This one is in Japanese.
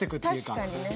確かにね。